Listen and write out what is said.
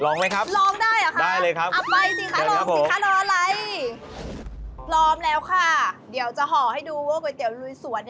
ลองไหมครับได้เลยครับพร้อมแล้วค่ะเดี๋ยวจะห่อให้ดูว่าก๋วยเตี๋ยวลูยสวน